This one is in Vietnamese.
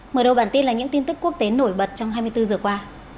mở đầu bản tin là những tin tức quốc tế nổi bật trong hai mươi bốn giờ qua